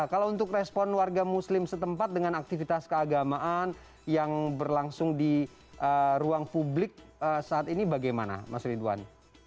kalau untuk respon warga muslim setempat dengan aktivitas keagamaan yang berlangsung di ruang publik saat ini bagaimana mas ridwan